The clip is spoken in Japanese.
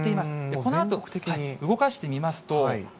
このあと動かしてみますと。